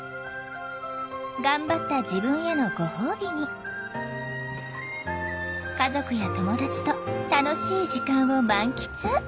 頑張った自分へのご褒美に家族や友達と楽しい時間を満喫。